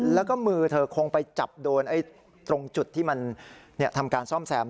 แล้วก็มือเธอคงไปจับโดนตรงจุดที่มันทำการซ่อมแซม